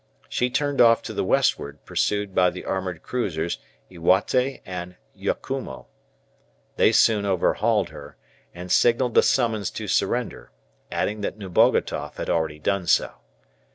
She turned off to the westward pursued by the armoured cruisers "Iwate" and "Yakumo." They soon overhauled her, and signalled a summons to surrender, adding that Nebogatoff had already done so.